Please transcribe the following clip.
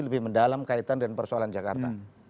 lebih mendalam kaitan dengan persoalan jakarta